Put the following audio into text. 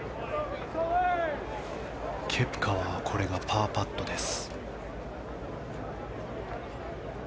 ケプカはこれがパーパットです。